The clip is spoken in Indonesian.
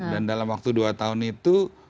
dan dalam waktu dua tahun itu